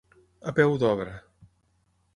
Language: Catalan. A peu d'obra.